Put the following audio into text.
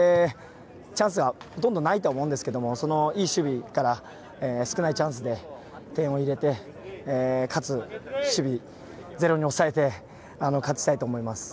チャンスはほとんどないと思うんですがいい守備から少ないチャンスで点を入れてかつ守備、ゼロに抑えて勝ちたいと思います。